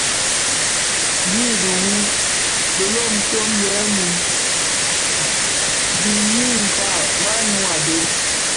Yi dhiwu bilom tsom yè mum di nin kpag maňyu a bhëg.